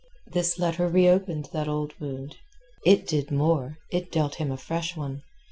This letter reopened that old wound; it did more; it dealt him a fresh one.